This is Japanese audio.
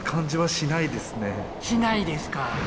しないですか。